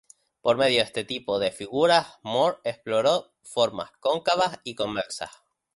Por medio de este tipo de figuras Moore exploró formas cóncavas y convexas.